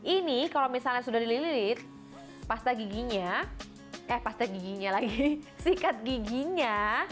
ini kalau misalnya sudah dililit pasta giginya eh pasta giginya lagi sikat giginya